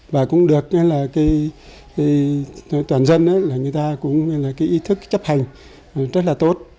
và cũng được toàn dân người ta cũng ý thức chấp hành rất là tốt